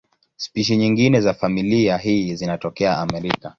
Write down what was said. Spishi nyingine za familia hii zinatokea Amerika.